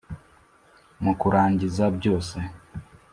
mu kurangiza byose,